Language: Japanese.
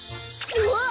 うわっ！